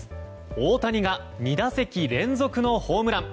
大谷が２打席連続のホームラン。